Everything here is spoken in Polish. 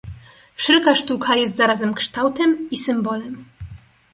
Wszelka sztuka jest zarazem kształtem i symbolem.